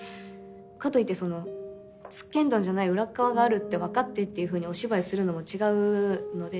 かといってそのつっけんどんじゃない裏っ側があるって分かってっていうふうにお芝居するのも違うので。